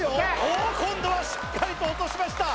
おーっ今度はしっかりと落としました